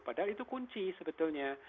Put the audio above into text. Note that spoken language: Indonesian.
padahal itu kunci sebetulnya